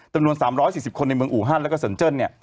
ตำนวน๓๔๐คนในเมืองอู่ฮั่นและสนเจิ่น